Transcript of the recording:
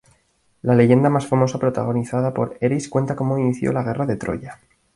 La leyenda más famosa protagonizada por Eris cuenta cómo inició la Guerra de Troya.